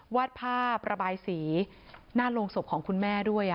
วาดผ้าประบายสีหน้าโรงศพของคุณแม่ด้วย